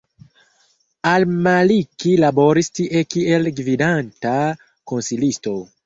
Al-Maliki laboris tie kiel gvidanta konsilisto.